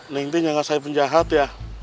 neng ini nyangka saya pun jahat ya